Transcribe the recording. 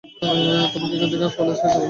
তোমাকে এখান থেকে পালাতে সাহায্য করবো আমি।